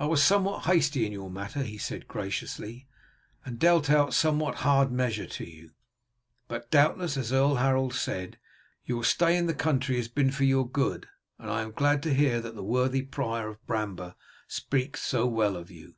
"I was somewhat hasty in your matter," he said graciously, "and dealt out somewhat hard measure to you, but doubtless, as Earl Harold said, your stay in the country has been for your good, and I am glad to hear that the worthy prior of Bramber speaks so well of you."